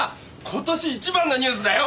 今年一番のニュースだよ！